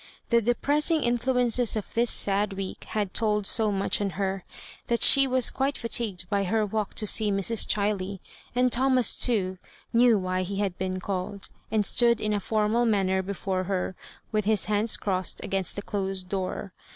The depressing influences of this sad week had told so much on her, that she was quite &tigued by her walk to see Mrs. Ohiley ; and Thomas, too, knew why he had been called, and stood in a formal manner before her with his hands crossed, against the closed door.